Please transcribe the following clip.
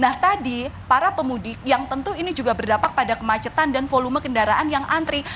nah tadi para pemudik yang tentu ini juga berdampak pada kemacetan dan volume kendaraan yang antri